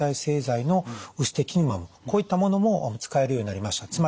こういったものも使えるようになりました。